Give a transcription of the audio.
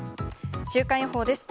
週間予報です。